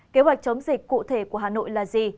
kế hoạch chống dịch cụ thể của hà nội là gì